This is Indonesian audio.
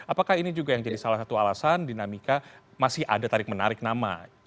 apakah ini juga yang jadi salah satu alasan dinamika masih ada tarik menarik nama